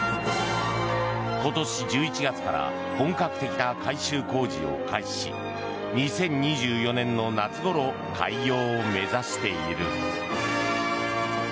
今年１１月から本格的な改修工事を開始し２０２４年の夏ごろ開業を目指している。